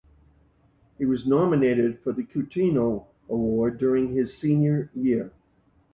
He was nominated for the Cutino Award during his Senior year.